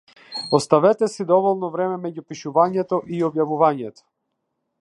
Оставете си доволно време меѓу пишувањето и објавувањето.